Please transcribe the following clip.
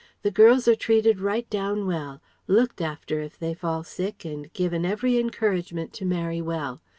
The girls are treated right down well. Looked after if they fall sick and given every encouragement to marry well.